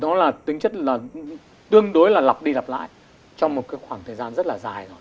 nó là tính chất tương đối là lọc đi lọc lại trong một khoảng thời gian rất là dài rồi